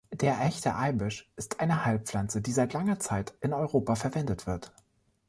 Der Echte Eibisch ist eine Heilpflanze, die seit langer Zeit in Europa verwendet wird.